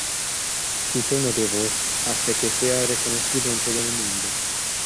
Su tono de voz hace que sea reconocido en todo el mundo.